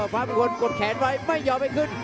ถึงตัวฟ้าบุคคลกดแขนไว้ไม่ยอมให้ขึ้น